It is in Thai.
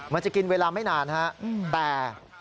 มันจะกินเวลาไม่นานฮะแต่